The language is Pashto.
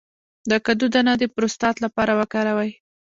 د کدو دانه د پروستات لپاره وکاروئ